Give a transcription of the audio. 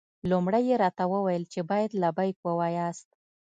لومړی یې راته وویل چې باید لبیک ووایاست.